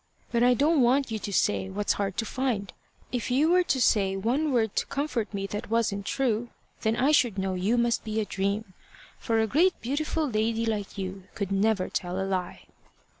"But I don't want you to say what's hard to find. If you were to say one word to comfort me that wasn't true, then I should know you must be a dream, for a great beautiful lady like you could never tell a lie."